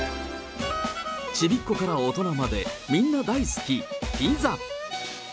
ちびっこから大人まで、みんな大好きピザ。